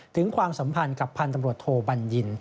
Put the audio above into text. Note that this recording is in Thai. ความสัมพันธ์กับพันธุ์ตำรวจโทบัญญิน